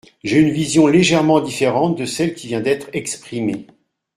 J’ai une vision légèrement différente de celle qui vient d’être exprimée.